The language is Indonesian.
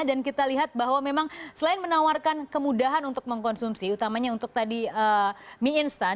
dan kita lihat bahwa memang selain menawarkan kemudahan untuk mengkonsumsi utamanya untuk tadi mie instan